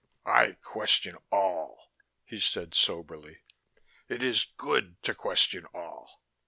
"I question all," he said soberly. "It is good to question all."